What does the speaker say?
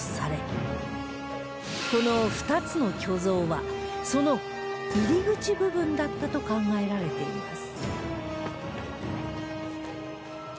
この２つの巨像はその入り口部分だったと考えられています